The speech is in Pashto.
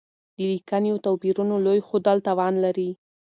د ليکنيو توپيرونو لوی ښودل تاوان لري.